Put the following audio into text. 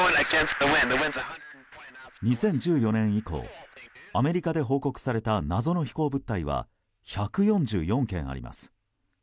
２０１４年以降アメリカで報告された謎の飛行物体は１４４件あります。